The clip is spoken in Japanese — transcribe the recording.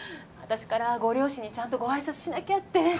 私からご両親にちゃんとご挨拶しなきゃって。